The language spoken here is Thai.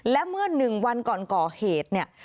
และเมื่อหนึ่งวันก่อนก่อเหตุ